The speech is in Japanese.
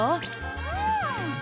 うん！